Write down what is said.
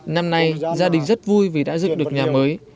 năm nay gia đình rất vui vì đã dựng được nhà mới